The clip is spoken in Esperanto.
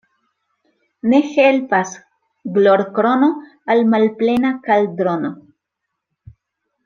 Ne helpas glorkrono al malplena kaldrono.